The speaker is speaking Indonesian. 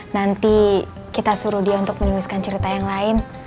nanti kita suruh dia untuk menuliskan cerita yang lain